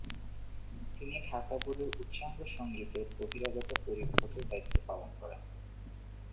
তিনি ঢাকা বোর্ডের উচ্চাঙ্গসঙ্গীতের বহিরাগত পরীক্ষকের দায়িত্ব পালন করেন।